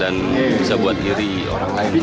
dan bisa buat diri orang lain